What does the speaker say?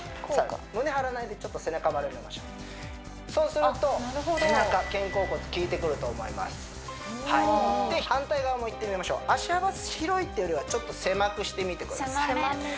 胸張らないでちょっと背中丸めましょうそうするとで反対側もいってみましょう足幅広いというよりはちょっと狭くしてみてください